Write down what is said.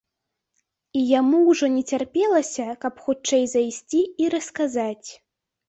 І яму ўжо не цярпелася, каб хутчэй зайсці і расказаць.